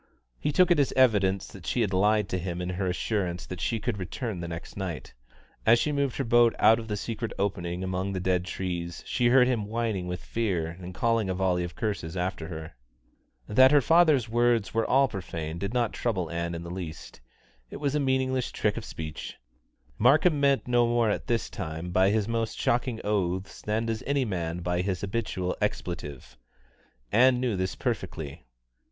He took it as evidence that she had lied to him in her assurance that she could return the next night. As she moved her boat out of the secret openings among the dead trees, she heard him whining with fear and calling a volley of curses after her. That her father's words were all profane did not trouble Ann in the least. It was a meaningless trick of speech. Markham meant no more at this time by his most shocking oaths than does any man by his habitual expletive. Ann knew this perfectly.